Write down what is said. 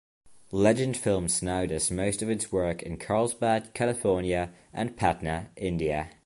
Legend Films now does most of its work in Carlsbad, California and Patna, India.